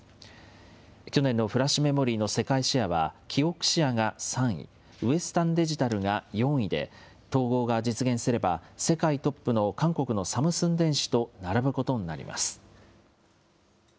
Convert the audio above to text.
去年のフラッシュメモリーの世界シェアは、キオクシアが３位、ウエスタンデジタルが４位で、統合が実現すれば、世界トップの韓国のサムスン電子と並ぶことになります。